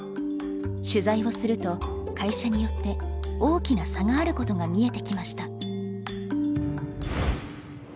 取材をすると会社によって大きな差があることが見えてきました。